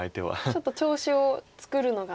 ちょっと調子を作るのが大変？